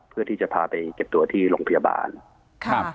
เพื่อที่จะพาไปเก็บตัวที่โรงพยาบาลครับ